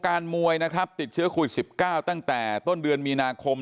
การมวยนะครับติดเชื้อคุณสิบเก้าตั้งแต่ต้นเดือนมีนาคม